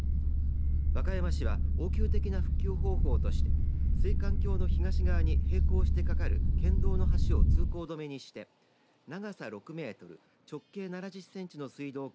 和歌山市は応急的な復旧方法として水管橋の東側に並行してかかる県道の橋を通行止めにして長さ６メートル直径７０センチの水道管